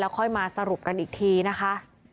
ค่อยมาสรุปกันอีกทีนะคะ